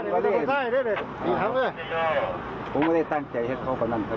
ผมไม่ได้ตั้งใจเฮ็ตเขา